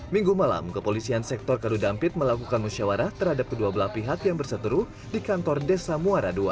minggu malam kepolisian sektor karudampit melakukan musyawarah terhadap kedua belah pihak yang berseteru di kantor desa muara ii